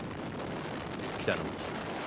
北之口さん。